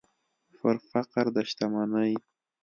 پر فقر د شتمنۍ